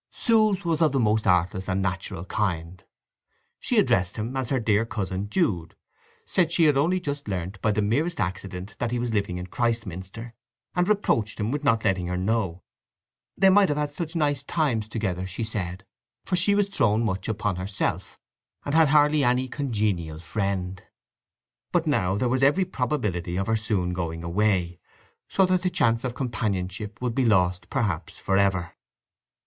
Sue's was of the most artless and natural kind. She addressed him as her dear cousin Jude; said she had only just learnt by the merest accident that he was living in Christminster, and reproached him with not letting her know. They might have had such nice times together, she said, for she was thrown much upon herself, and had hardly any congenial friend. But now there was every probability of her soon going away, so that the chance of companionship would be lost perhaps for ever.